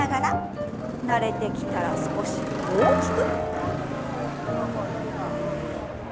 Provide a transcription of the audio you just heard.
慣れてきたら少し大きく。